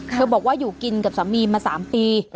บอกว่าอยู่กินกับสามีมา๓ปี